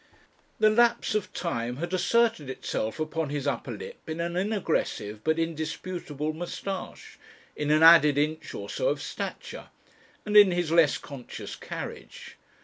The lapse of time had asserted itself upon his upper lip in an inaggressive but indisputable moustache, in an added inch or so of stature, and in his less conscious carriage.